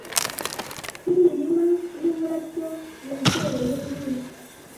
Nk’imirima y’uburabyo yegereye uruzi